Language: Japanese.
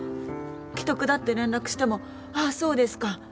危篤だって連絡しても「ああそうですか」